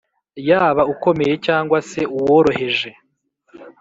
yaba ukomeye cyangwa, se uworoheje